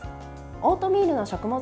オートミールの食物